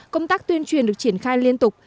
công tác tuyên truyền được triển khai liên tục